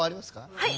はい。